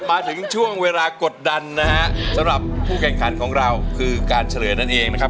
มาถึงช่วงเวลากดดันนะฮะสำหรับผู้แข่งขันของเราคือการเฉลยนั่นเองนะครับ